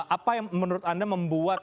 apa yang menurut anda membuat